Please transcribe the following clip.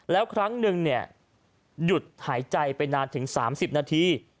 แล้วครั้งหนึ่งหยุดหายใจไปนานถึง๓๐นาที